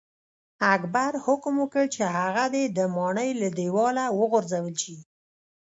اکبر حکم وکړ چې هغه دې د ماڼۍ له دیواله وغورځول شي.